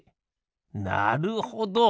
なるほど！